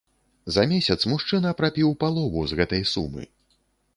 За месяц мужчына прапіў палову з гэтай сумы.